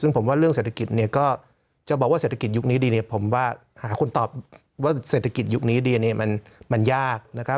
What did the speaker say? ซึ่งผมว่าเรื่องเศรษฐกิจเนี่ยก็จะบอกว่าเศรษฐกิจยุคนี้ดีเนี่ยผมว่าหาคนตอบว่าเศรษฐกิจยุคนี้ดีเนี่ยมันยากนะครับ